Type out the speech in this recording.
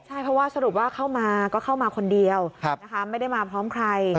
ใช่เพราะว่าสรุปว่าเข้ามาก็เข้ามาคนเดียวนะคะไม่ได้มาพร้อมใคร